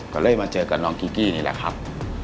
ก็เลยมาเจอกับน้องกิ๊กกี้นี่แหละครับ